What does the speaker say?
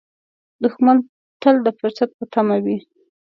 دښمن تل د فرصت په تمه وي